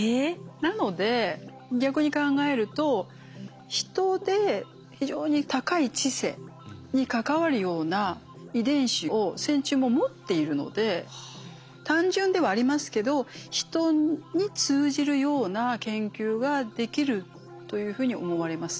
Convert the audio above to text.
なので逆に考えるとヒトで非常に高い知性に関わるような遺伝子を線虫も持っているので単純ではありますけどヒトに通じるような研究ができるというふうに思われます。